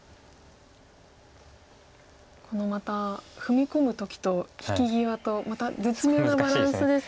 このまた踏み込む時と引き際とまた絶妙なバランスですね